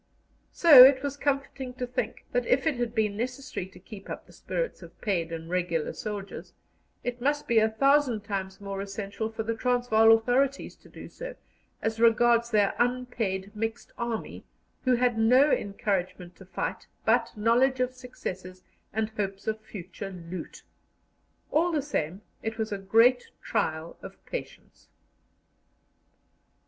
So it was comforting to think that, if it had been necessary to keep up the spirits of paid and regular soldiers, it must be a thousand times more essential for the Transvaal authorities to do so, as regards their unpaid mixed army, who had no encouragement to fight but knowledge of successes and hopes of future loot. All the same, it was a great trial of patience.